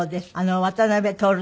渡辺徹さん